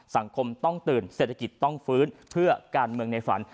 สังคมต้องตื่นเศรษฐกิจต้องฟื้นเพื่อการเมืองในฝัน